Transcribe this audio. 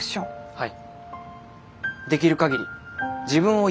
はい。